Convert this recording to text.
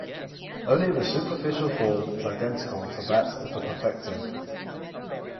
Only the superficial form is identical to that of the perfective.